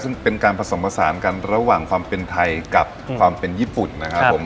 ซึ่งเป็นการผสมผสานกันระหว่างความเป็นไทยกับความเป็นญี่ปุ่นนะครับผม